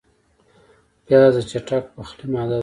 پیاز د چټک پخلي ماده ده